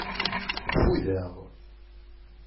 Fudeɣ.